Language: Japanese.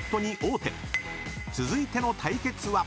［続いての対決は］